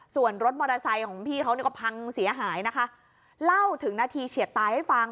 ส่วนรถมอเตอร์ไซค์ของพี่เขาเนี่ยก็พังเสียหายนะคะเล่าถึงนาทีเฉียดตายให้ฟัง